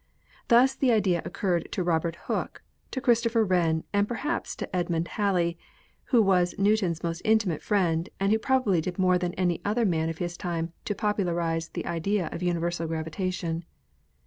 Thus the idea occurred to Robert Hooke, to Christopher Wren and perhaps to Edmund Halley, who was Newton's most intimate friend and who probably did more than any other man of his time to popularize the idea of universal gravitation.